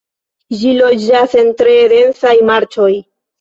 Ĝi loĝas en tre densaj marĉoj.